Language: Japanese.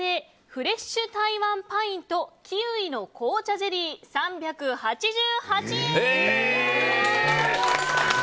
フレッシュ台湾パインとキウイの紅茶ゼリー、３８８円。